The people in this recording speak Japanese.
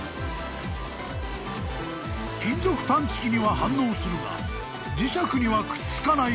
［金属探知機には反応するが磁石にはくっつかない